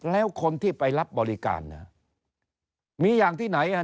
แล้วคนที่ไปรับบริการเนี่ยมีอย่างที่ไหนอ่ะ